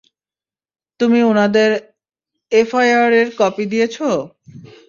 তুমি উনাদের এফআইআর-এর কপি দিয়েছ?